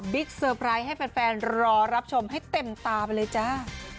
เซอร์ไพรส์ให้แฟนรอรับชมให้เต็มตาไปเลยจ้า